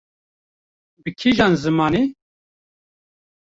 bi kîjan zimanê?